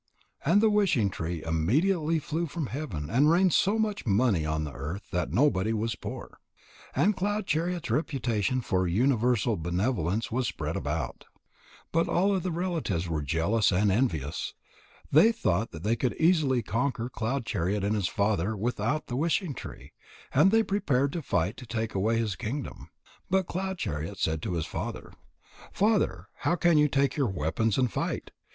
And the wishing tree immediately flew from heaven and rained so much money on the earth that nobody was poor. And Cloud chariot's reputation for universal benevolence was spread about. But all the relatives were jealous and envious. They thought that they could easily conquer Cloud chariot and his father without the wishing tree, and they prepared to fight to take away his kingdom. But Cloud chariot said to his father: "Father, how can you take your weapons and fight?